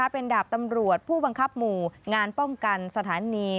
เป็นดาบตำรวจผู้บังคับหมู่งานป้องกันสถานี